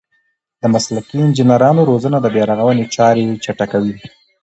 د مسلکي انجنیرانو روزنه د بیارغونې چارې چټکوي.